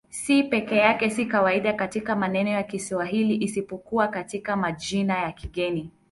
C peke yake si kawaida katika maneno ya Kiswahili isipokuwa katika majina ya kigeni.